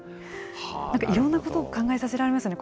なんかいろんなことを考えさせられましたね。